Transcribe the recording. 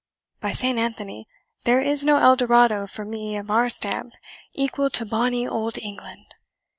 By Saint Anthony, there is no Eldorado for men of our stamp equal to bonny Old England!